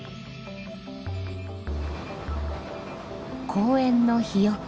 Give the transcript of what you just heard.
公園の日よけ。